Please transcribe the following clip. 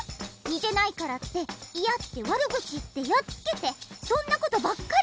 にてないからって「いや！」ってわるぐちいってやっつけてそんなことばっかりになるわ。